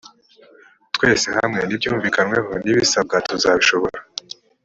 twese hamwe n ibyunvikanweho n ibisabwa tuzabishobora